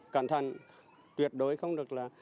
cẩn thận tuyệt đối không được là